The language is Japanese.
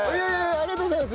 ありがとうございます！